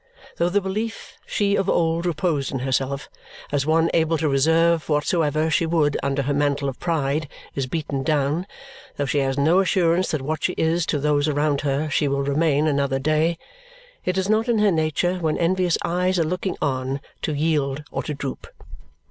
Though the belief she of old reposed in herself as one able to reserve whatsoever she would under her mantle of pride is beaten down, though she has no assurance that what she is to those around her she will remain another day, it is not in her nature when envious eyes are looking on to yield or to droop.